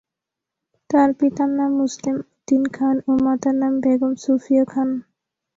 তার পিতার নাম মোসলেম উদ্দিন খান ও মাতার নাম বেগম সুফিয়া খান।